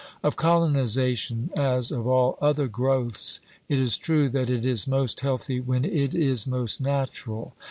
Of colonization, as of all other growths, it is true that it is most healthy when it is most natural.